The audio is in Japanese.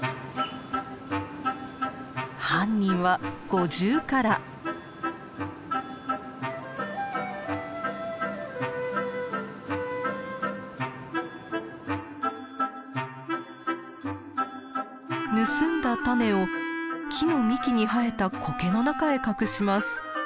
犯人は盗んだ種を木の幹に生えたコケの中へ隠します。